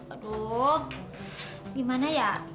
aduh gimana ya